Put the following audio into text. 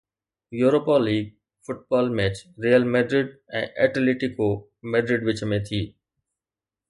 Europa League football match Real Madrid ۽ Atletico Madrid وچ ۾ ٿي